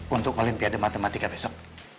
untuk olimpiade matematika besok